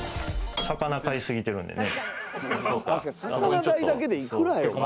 魚、飼い過ぎてるんでね。